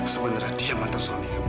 sebenarnya dia mantan suaminya